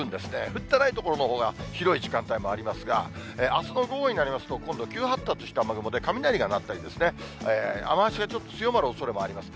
降ってない所のほうが広い時間帯もありますが、あすの午後になりますと、今度、急発達した雨雲で雷が鳴ったり、雨足がちょっと強まるおそれもあります。